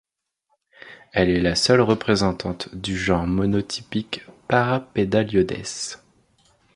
Elle est la seule représentante du genre monotypique Parapedaliodes.